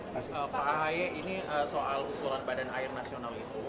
pak ahy ini soal usulan badan air nasional itu